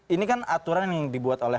ini kan aturan yang dibuat oleh